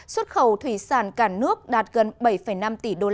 xuất khẩu thủy sản cả nước đạt gần bảy năm tỷ usd